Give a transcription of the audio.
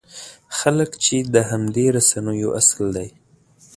خلک چې د همدې رسنیو اصل دی.